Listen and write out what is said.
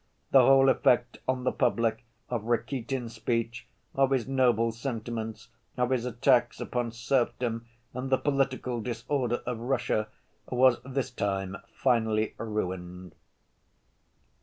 The whole effect on the public, of Rakitin's speech, of his noble sentiments, of his attacks upon serfdom and the political disorder of Russia, was this time finally ruined.